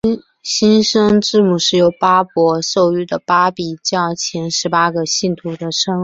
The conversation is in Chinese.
新生字母是由巴孛授予的巴比教前十八个信徒的称号。